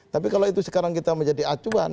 tapi kalau itu sekarang kita menjadi acuan